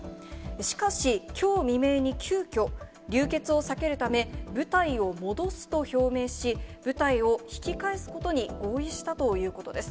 しかしきょう未明に急きょ、流血を避けるため、部隊を戻すと表明し、部隊を引き返すことに合意したということです。